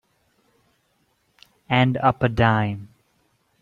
And up a dime.